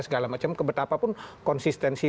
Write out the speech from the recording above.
segala macam kebetapapun konsistensi